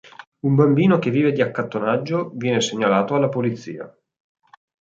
Un bambino che vive di accattonaggio viene segnalato alla polizia.